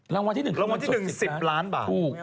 รางวัลที่หนึ่ง๑๐ล้านบาท